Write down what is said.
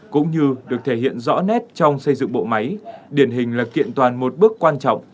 cũng như được thể hiện rõ nét trong xây dựng bộ máy điển hình là kiện toàn một bước quan trọng